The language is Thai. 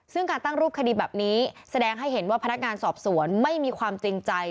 ซึ่งการตั้งรูปคดีแบบนี้แสดงให้เห็นว่าพนักงานสอบสวนไม่มีความจริงใจ